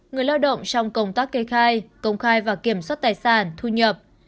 người lao động trong công tác kê khai công khai và kiểm soát tài sản thu nhập